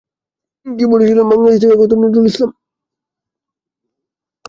কিবোর্ডে ছিলেন বাংলাদেশ থেকে আগত নজরুল ইসলাম, গিটারে জনি, প্যাডে জীবন মিত্র।